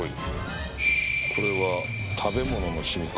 これは食べ物のシミか。